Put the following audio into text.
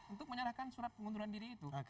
untuk menyerahkan surat pengunduran diri itu